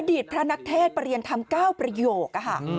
อดีตพระนักเทศประเรียนทำ๙ประโยค